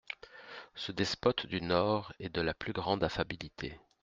Ce despote du Nord est de la plus grande affabilité.